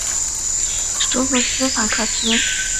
首府斯法克斯。